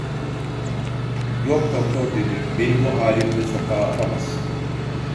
Yok doktor dedi, "beni bu halimle sokağa atamazsın."